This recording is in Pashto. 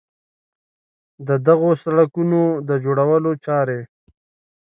د دغو سړکونو د جوړولو چارې